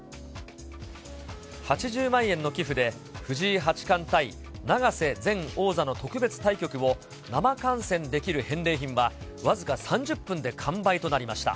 ８０万円の寄付で藤井八冠対永瀬前王座の特別対局を生観戦できる返礼品は僅か３０分で完売となりました。